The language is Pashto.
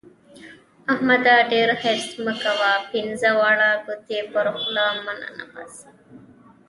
احمده! ډېر حرص مه کوه؛ پينځه واړه ګوتې پر خوله مه ننباسه.